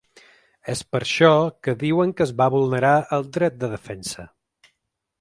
És per això que diuen que es va vulnerar el dret de defensa.